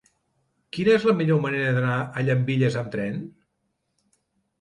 Quina és la millor manera d'anar a Llambilles amb tren?